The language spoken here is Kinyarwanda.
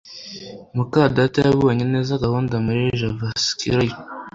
muka data yabonye neza gahunda muri JavaScript